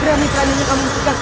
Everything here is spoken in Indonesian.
geramit ranyinya kamu diperkasih